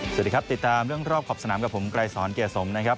สวัสดีครับติดตามเรื่องรอบขอบสนามกับผมไกรสอนเกียรติสมนะครับ